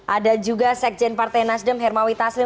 ada juga sekjen partai nasdem hermawi taslim